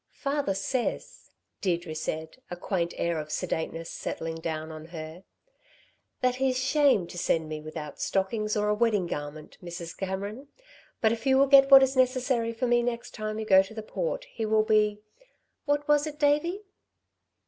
"Father says," Deirdre said, a quaint air of sedateness settling down on her, "that he's 'shamed to send me without stockings or a wedding garment, Mrs. Cameron. But if you will get what is necessary for me next time you go to the Port he will be what was it, Davey?"